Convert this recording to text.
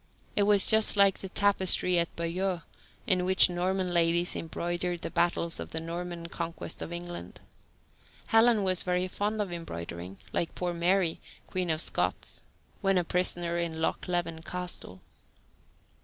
It was just like the tapestry at Bayeux on which Norman ladies embroidered the battles in the Norman Conquest of England. Helen was very fond of embroidering, like poor Mary, Queen of Scots, when a prisoner in Loch Leven Castle.